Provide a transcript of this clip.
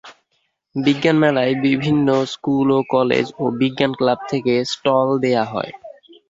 বিজ্ঞান মেলায় বিভিন্ন স্কুল ও কলেজ ও বিজ্ঞান ক্লাব থেকে স্টল দেয়া হয়।